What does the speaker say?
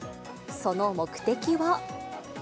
その目的は。